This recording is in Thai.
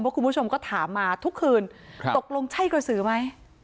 เพราะคุณผู้ชมก็ถามมาทุกคืนตกลงใช่กระสือไหม